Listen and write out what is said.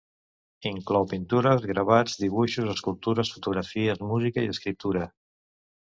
Inclou pintures, gravats, dibuixos, escultures, fotografies, música i escriptura.